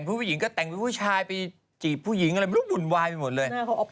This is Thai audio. ผู้หญิงก็แต่งเป็นผู้ชายไปจีบผู้หญิงอะไรไม่รู้บุ่นวายไปหมดเลย